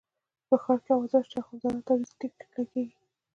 په ښار کې اوازه شوه چې د اخندزاده تاویز ټیک لګېږي.